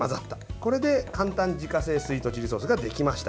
これで簡単自家製スイートチリソースができました。